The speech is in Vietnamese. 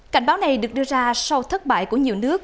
cảnh báo này được đưa ra sau thất bại của nhiều nước